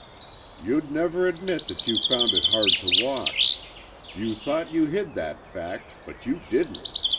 You'd never admit that you found it hard to walk. You thought you hid that fact, but you didn't!